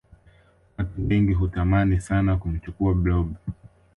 Watu wengi hutamani sana kumchukua blob